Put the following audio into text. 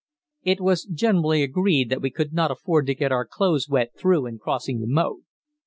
It was generally agreed that we could not afford to get our clothes wet through in crossing the moat.